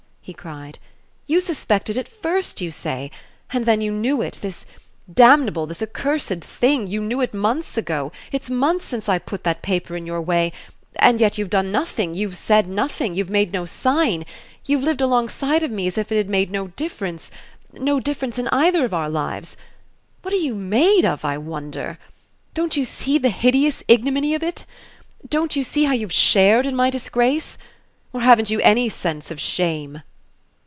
he cried, "you suspected it first, you say and then you knew it this damnable, this accursed thing; you knew it months ago it's months since I put that paper in your way and yet you've done nothing, you've said nothing, you've made no sign, you've lived alongside of me as if it had made no difference no difference in either of our lives. What are you made of, I wonder? Don't you see the hideous ignominy of it? Don't you see how you've shared in my disgrace? Or haven't you any sense of shame?"